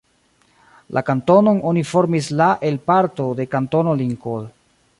La kantonon oni formis la el parto de Kantono Lincoln.